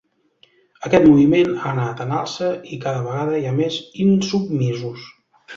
Aquest moviment ha anat en alça i cada vegada hi ha més insubmisos.